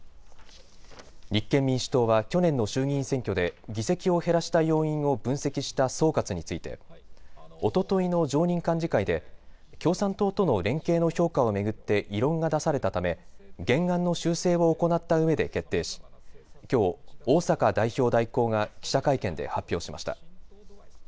立憲民主党は去年の衆議院選挙で議席を減らした要因を分析した総括についておとといの常任幹事会で共産党との連携の評価を巡って異論が出されたため原案の修正を行ったうえで決定しきょう逢坂代表代行が記者会見で発表しました。